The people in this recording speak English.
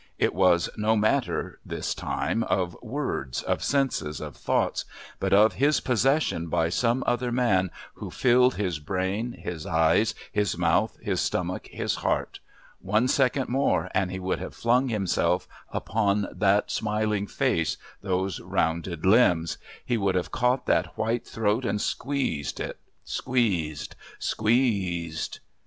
It was no matter, this time, of words, of senses, of thoughts, but of his possession by some other man who filled his brain, his eyes, his mouth, his stomach, his heart; one second more and he would have flung himself upon that smiling face, those rounded limbs; he would have caught that white throat and squeezed it squeezed...squeezed....